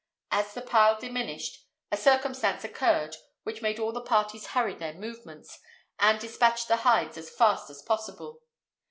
As the pile diminished, a circumstance occurred which made all the parties hurry their movements, and despatch the hides as fast as possible.